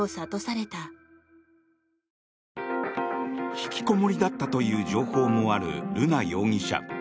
引きこもりだったという情報もある瑠奈容疑者。